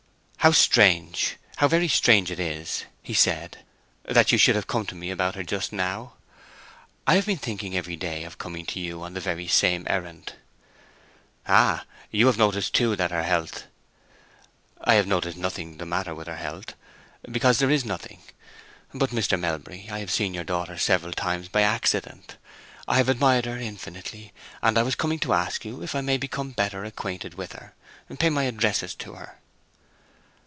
"How strange, how very strange it is," he said, "that you should have come to me about her just now. I have been thinking every day of coming to you on the very same errand." "Ah!—you have noticed, too, that her health——" "I have noticed nothing the matter with her health, because there is nothing. But, Mr. Melbury, I have seen your daughter several times by accident. I have admired her infinitely, and I was coming to ask you if I may become better acquainted with her—pay my addresses to her?"